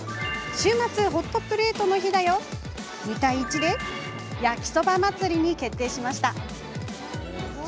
「週末ホットプレートの日だよ！」は２対１で焼きそば祭りに決定しました。